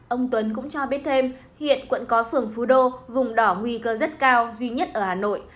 ông tuấn cũng cho biết thêm hiện quận có phường phú đô vùng đỏ nguy cơ rất cao duy nhất ở hà nội